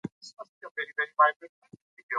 عطایي د پښتو د پخوانیو لیکوالو آثار راټول کړي دي.